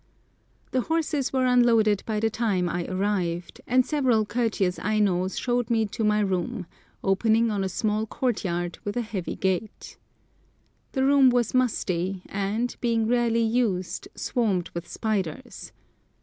The horses were unloaded by the time I arrived, and several courteous Ainos showed me to my room, opening on a small courtyard with a heavy gate. The room was musty, and, being rarely used, swarmed with spiders.